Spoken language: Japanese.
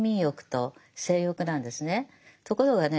ところがね